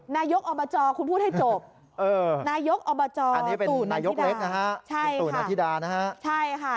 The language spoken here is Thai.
นายกอบจคุณพูดให้จบนายกอบจตู่นานธิดา